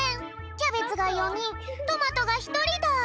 キャベツが４にんトマトがひとりだ。